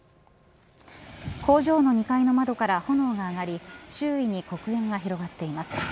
工場の２階の窓から炎が上がり周囲に黒煙が広がっています。